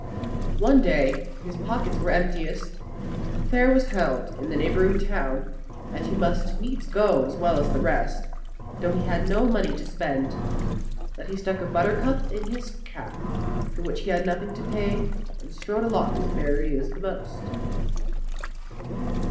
One day, when his pockets were emptiest, a fair was held in the neighbouring town, and he must needs go as well as the rest, though he had no money to spend. But he stuck a buttercup in his cap, for which he had nothing to pay, and strode along as merrily as the most.